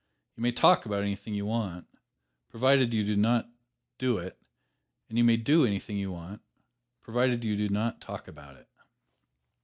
You may talk about anything you want, provided you do not do it; and you may do anything you want, provided you do not talk about it.